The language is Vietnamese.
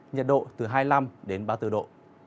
nhiệt độ từ hai mươi năm đến ba mươi bốn độ